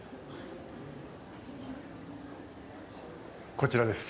こちらです。